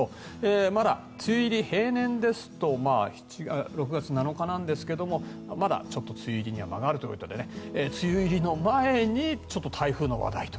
まだ、梅雨入り平年ですと６月７日なんですがまだちょっと梅雨入りには間があるということで梅雨入り前に台風の話題と。